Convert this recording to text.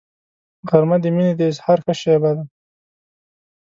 غرمه د مینې د اظهار ښه شیبه ده